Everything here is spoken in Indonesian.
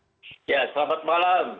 ya selamat malam